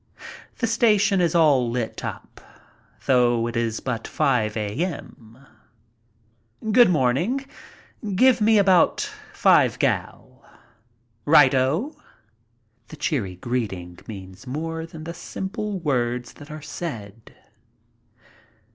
The station is all Ht up, though it is but 5 a.m. "Good morning. Give me about five gal," "Right o!" The cheery greeting means more than the simple words that are said.